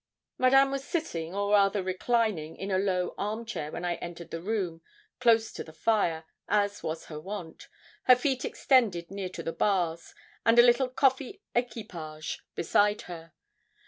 Madame was sitting, or rather reclining, in a low arm chair, when I entered the room, close to the fire, as was her wont, her feet extended near to the bars, and a little coffee equipage beside her.